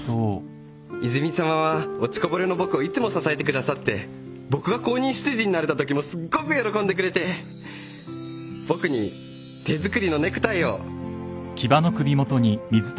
泉さまは落ちこぼれの僕をいつも支えてくださって僕が公認執事になれたときもすっごく喜んでくれて僕に手作りのネクタイを。